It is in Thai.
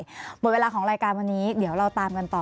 หมดเวลาของรายการวันนี้เดี๋ยวเราตามกันต่อ